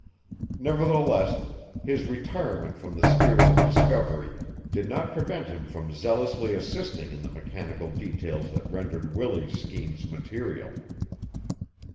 Nevertheless his retirement from the spheres of discovery did not prevent him from zealously assisting in the mechanical details that rendered Willie's schemes material.